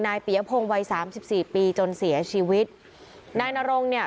เปียพงศ์วัยสามสิบสี่ปีจนเสียชีวิตนายนรงเนี่ย